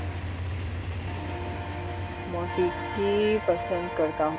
موسیقی پسند کرتا ہوں